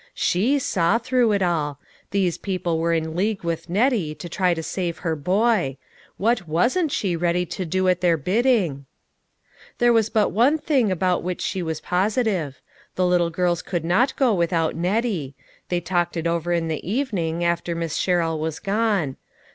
She saw through it all ; these people were in league with Nettie, to try to save her boy. What wasn't she ready to do at their bidding ! There was but one thing about which she was positive. The little girls could not go without Nettie ; they talked it over in the evening, after Miss Sherrill was gone.